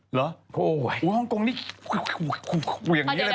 หรือห้องโกงนี่อย่างนี้แหละแบบ